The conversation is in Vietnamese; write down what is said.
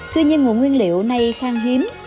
tuy nhiên nguồn nguyên liệu nay khang hiếm